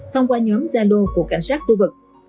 thông qua nhóm gia lô của cảnh sát khu vực